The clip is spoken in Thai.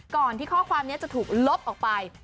ก่อนที่ข้อความนี้จะถูกลบออกไป